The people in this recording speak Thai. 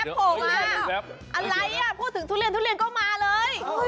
อะไรอ่ะพูดถึงทุเรียนก็มาเลย